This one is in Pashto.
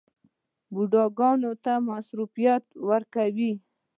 بوډاګانو ته مصوونیت ورکوي.